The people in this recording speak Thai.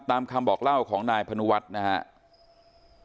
ตามคำบอกเล่าของนายพนุวัฒน์นะครับ